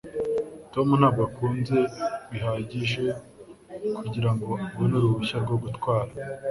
Tom ntabwo akuze bihagije kugirango abone uruhushya rwo gutwara.